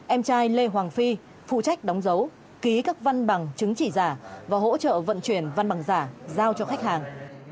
em trai lê hoàng phi phụ trách đóng dấu ký các văn bằng chứng chỉ giả và hỗ trợ vận chuyển văn bằng giả giao cho khách hàng